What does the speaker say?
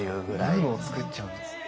ブームを作っちゃうんですね。